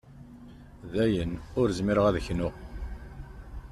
Dayen ur zmireɣ ad knuɣ.